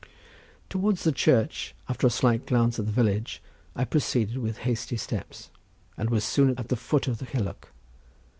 Towards the church, after a slight glance at the village, I proceeded with hasty steps, and was soon at the foot of the hillock.